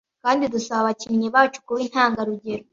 kandi dusaba abakinnyi bacu kuba intangarugero